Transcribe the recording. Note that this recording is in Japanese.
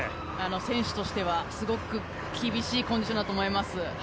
選手としてはすごく厳しいコンディションだと思います。